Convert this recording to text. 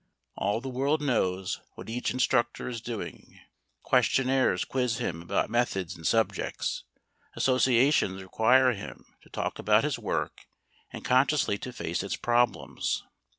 All the world knows what each instructor is doing; questionnaires quiz him about methods and subjects; associations require him to talk about his work and consciously to face its problems.